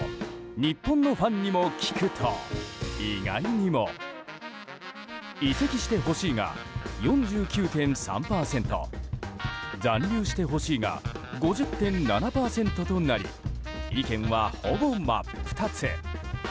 日本のファンにも聞くと意外にも移籍してほしいが４９．３％残留してほしいが５０．７％となり意見は、ほぼ真っ二つ。